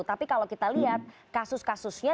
tapi kalau kita lihat kasus kasusnya